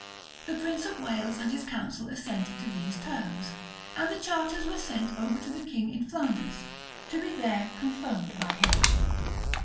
[] The prince of Wales and his council assented to these terms, and the charters were sent over to the king in Flanders, to be there confirmed by him.